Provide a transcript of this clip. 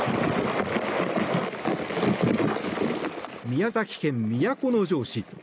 宮崎県都城市。